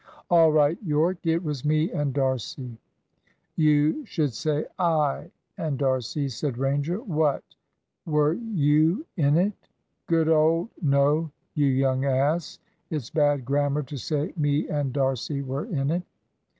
All right, Yorke, it was me and D'Arcy." "You should say I and D'Arcy," said Ranger. "What, were you in it? Good old " "No, you young ass; it's bad grammar to say me and D'Arcy were in it."